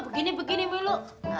begini begini mulu